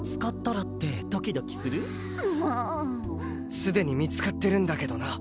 すでに見つかってるんだけどな